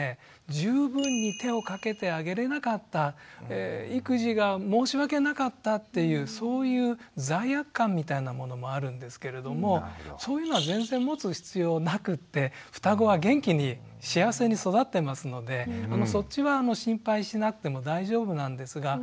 十分に手をかけてあげれなかった育児が申し訳なかったっていうそういう罪悪感みたいなものもあるんですけれどもふたごは元気に幸せに育ってますのでそっちは心配しなくても大丈夫なんですが。